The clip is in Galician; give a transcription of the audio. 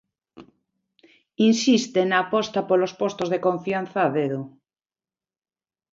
Insiste na aposta polos postos de confianza a dedo.